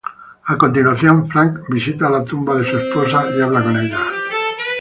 A continuación, Frank visita la tumba de su esposa y habla con ella.